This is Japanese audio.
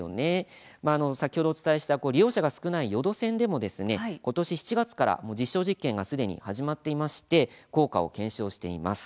先ほどお伝えした利用者が少ない予土線でも今年の７月から実証実験が始まっていまして効果を検証しています。